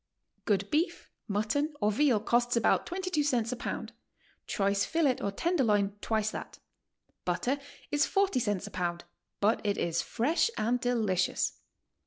Good beef, mutton or veal costs about 22 cents a pound; choice filet or tenderloin twice that. Butter is 40 cents a pound, but iit is fresh and delicious.